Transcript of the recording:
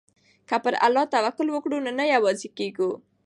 که پر الله توکل وکړو نو نه یوازې کیږو.